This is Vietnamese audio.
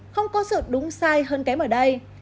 không có sự đúng sai hơn kém ở đây